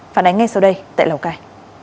phản ánh ngay sau đây tại lào cai